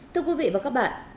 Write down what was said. thưa quý vị và các bạn